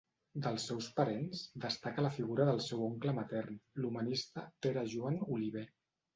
Dels seus parents, destaca la figura del seu oncle matern, l'humanista Pere Joan Oliver.